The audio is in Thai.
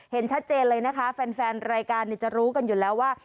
เห็นชัดเจนเลยนะคะแฟนรายการจะรู้กันอยู่แล้วว่า